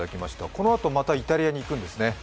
このあとまたイタリアに行くんですね。